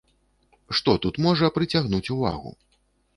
Што тут можа прыцягнуць увагу.